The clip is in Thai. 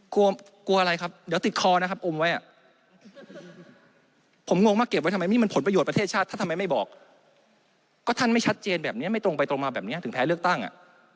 กลัวกลัวอะไรครับเดี๋ยวติดคอนะครับอมไว้อ่ะผมงงว่าเก็บไว้ทำไมนี่มันผลประโยชน์ประเทศชาติท่านทำไมไม่บอกก็ท่านไม่ชัดเจนแบบนี้ไม่ตรงไปตรงมาแบบนี้ถึงแพ้เลือกตั้งอ่ะ